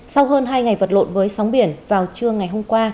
sau hơn hai ngày vật lộn với sóng biển vào trưa ngày hôm qua